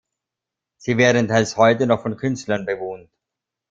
Sie werden teils heute noch von Künstlern bewohnt.